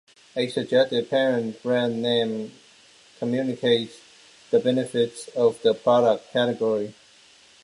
A suggestive parent brand name communicates the benefits of the product category.